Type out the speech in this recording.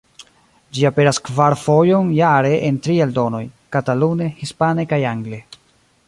Ĝi aperas kvar fojon jare en tri eldonoj: katalune, hispane kaj angle.